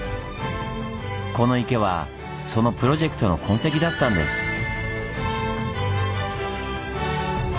この池はそのプロジェクトの痕跡だったんです。